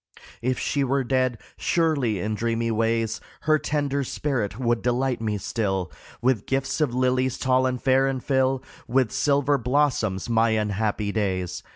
If she were dead, surely in dreamy ways Her tender spirit would delight me still, With gifts of lilies, tall and fair, and fill With silver blossoms my unhappy days.